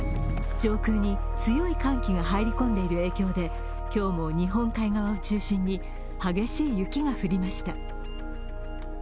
上空に強い寒気が入り込んでいる影響で今日も日本海側を中心に激しい雪が降りました。